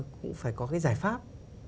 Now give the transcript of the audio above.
cũng phải có cái giải pháp